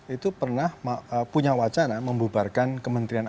itu pernah punya wacana membubarkan kementerian agama